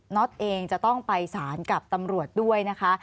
็อตเองจะต้องไปสารกับตำรวจด้วยนะคะ